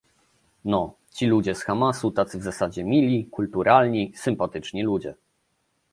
"No, ci ludzie z Hamasu tacy w zasadzie mili, kulturalni, sympatyczni ludzie